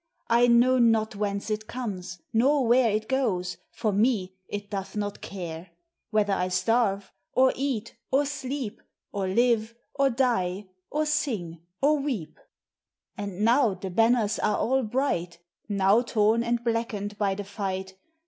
I know not whence it comes, nor where It goes. For me it doth not care — Whether I starve, or eat, or sleep, Or live, or die, or sing, or weep. And now the banners are all bright, Now torn and blackened by the fight.